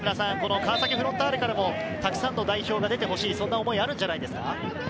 川崎フロンターレからもたくさんの代表が出てほしい、そんな思いがあるんじゃないですか。